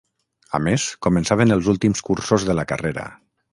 A més, començàvem els últims cursos de la carrera.